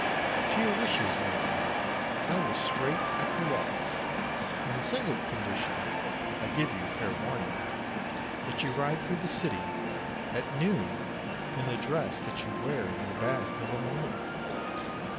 "To your wishes, my dear, I will straight acquiesce, On the single condition I give you fair warning That you ride through the City, at noon, in the dress That you wear in your bath of a morning!"